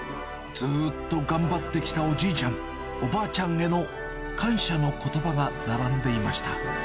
ずっと頑張ってきたおじいちゃん、おばあちゃんへの感謝のことばが並んでいました。